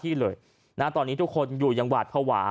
ก็ยิงเสียชีวิตคาที่เลยตอนนี้ทุกคนอยู่อย่างหวาดภาวะ